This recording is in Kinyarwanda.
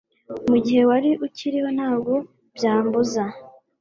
mugihe wari ukiriho ntabwo byambuza